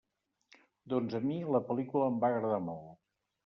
Doncs a mi, la pel·lícula em va agradar molt.